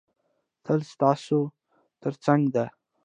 تل ستاسو تر څنګ ده.